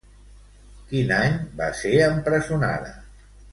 Quin any va ser empresonada?